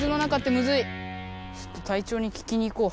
ちょっと隊長に聞きに行こう。